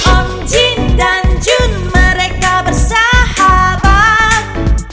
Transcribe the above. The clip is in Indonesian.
om jin dan jun mereka bersahabat